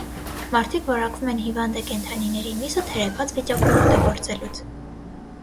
Մարդիկ վարակվում են հիվանդը կենդանիների միսը թերեփած վիճակում օգտագործելուց)։